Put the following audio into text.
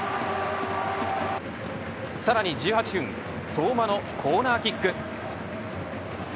さらに１８分相馬のコーナーキック。